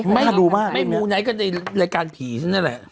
ไม่มูไนท์ก็ในรายการผีซะนั่นแหละ